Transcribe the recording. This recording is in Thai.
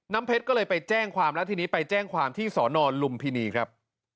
เพชรก็เลยไปแจ้งความแล้วทีนี้ไปแจ้งความที่สอนอนลุมพินีครับ